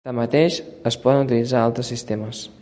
Tanmateix, es poden utilitzar altres sistemes.